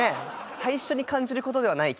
最初に感じることではない気がしますよね